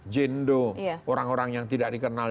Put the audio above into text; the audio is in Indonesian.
gendo orang orang yang tidak dikenal